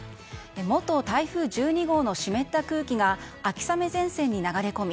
元台風１２号の湿った空気が秋雨前線に流れ込み